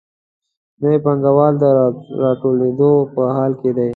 نوي پانګوال د راټوکېدو په حال کې دي.